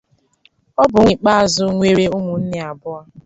Ọ bụ nwa ikpeazụ nwere ụmụnne abụọ.